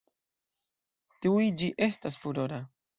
Tuj ĝi estis furora.